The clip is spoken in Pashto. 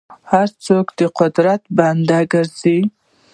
هر څوک د قدرت بنده ګرځي.